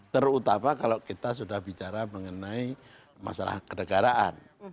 terutama kalau kita sudah bicara mengenai masalah kedegaraan